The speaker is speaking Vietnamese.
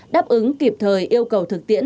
đáp ứng kịp thời yêu cầu thực tiễn